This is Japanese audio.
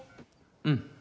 うん。